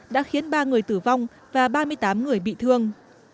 đã khiến ba người tử vong và ba mươi tám người bị thương